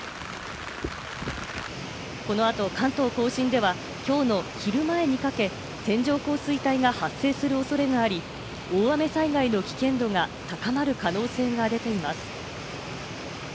このあと、関東甲信ではきょうのお昼前にかけ、線状降水帯が発生する恐れがあり、大雨災害の危険度が高まる可能性が出ています。